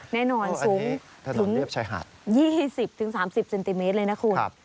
แน่นอนสูงถึง๒๐๓๐เซนติเมตรเลยนะคุณ